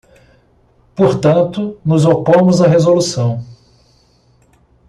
Portanto, nos opomos à resolução.